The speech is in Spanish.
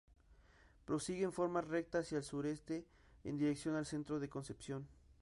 Prosigue en forma recta hacia el sureste, en dirección al centro de Concepción.